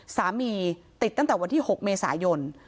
ติดตั้งแต่วันที่๖เมษายน